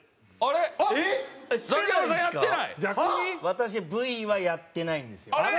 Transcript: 私Ｖはやってないんですよね。